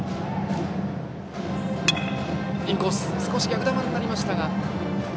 インコース少し逆球になりましたが。